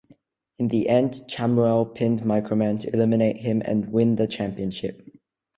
In the end Chamuel pinned Microman to eliminate him and win the championship.